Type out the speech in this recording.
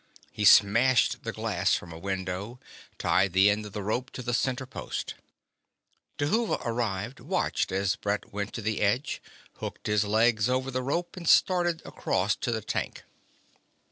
He smashed the glass from a window, tied the end of the rope to the center post. Dhuva arrived, watched as Brett went to the edge, hooked his legs over the rope, and started across to the tank.